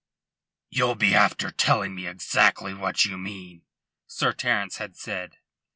"You'll be after telling me exactly what you mean," Sir Terence had said.